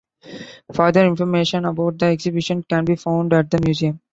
Further information about the exhibition can be found at the museum.